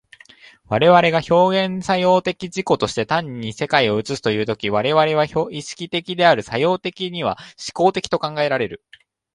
我々が表現作用的自己として単に世界を映すという時、我々は意識的である、作用的には志向的と考えられる。